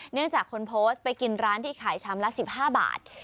เนื่องจากคนโพสต์ไปกินร้านที่ขายชามละ๑๕บาท